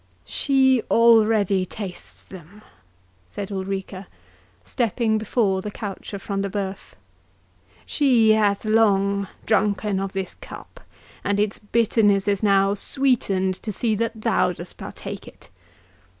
"She already tastes them," said Ulrica, stepping before the couch of Front de Bœuf; "she hath long drunken of this cup, and its bitterness is now sweetened to see that thou dost partake it.